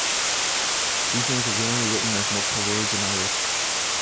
These names are generally written as multiple words in Irish.